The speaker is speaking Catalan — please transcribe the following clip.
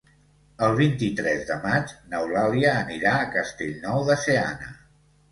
El vint-i-tres de maig n'Eulàlia anirà a Castellnou de Seana.